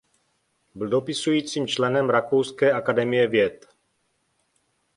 Byl dopisujícím členem Rakouské akademie věd.